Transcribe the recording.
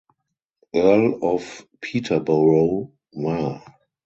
Earl of Peterborough war.